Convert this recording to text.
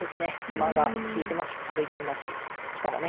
馬が利いてますし壁銀だししかもね